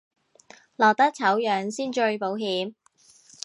落得醜樣先最保險